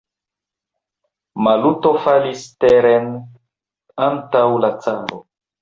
Maluto falis teren antaŭ la caro.